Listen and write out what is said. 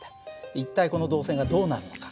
一体この導線がどうなるのか。